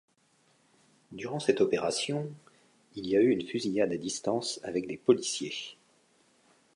Durant cette opération, il y a eu une fusillade à distance avec des policiers.